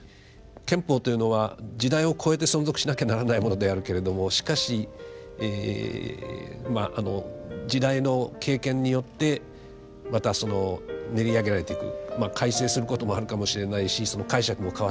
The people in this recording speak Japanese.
憲法というのは時代をこえて存続しなきゃならないものであるけれどもしかし時代の経験によってまた練り上げられていく改正することもあるかもしれないしその解釈も変わってくる。